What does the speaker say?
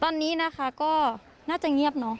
ตอนนี้นะคะก็น่าจะเงียบเนอะ